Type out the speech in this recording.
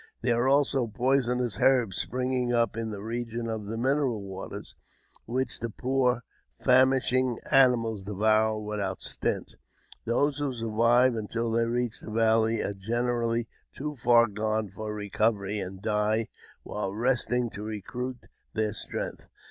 There are also poisonous herbs springing up in the region of the mineral water, which the poor, famishing animals devour without stint. Those who survive until they reach the Valley are generally too far gone for recovery, and die while resting to recruit their strength.